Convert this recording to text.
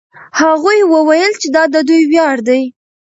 هغوی وویل چې دا د دوی ویاړ دی.